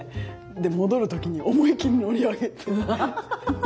戻る時に思いっきり乗り上げて。